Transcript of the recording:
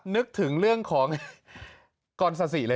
นึกถึงเรื่องของกรศสิเลย